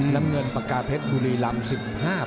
น้ำเงินปากกาเพชรกุรีลำสิบห้าปี